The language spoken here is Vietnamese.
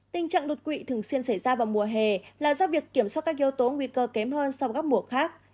tình trạng đột quỵ thường xuyên xảy ra vào mùa hè là do việc kiểm soát các yếu tố nguy cơ kém hơn sau các mùa khác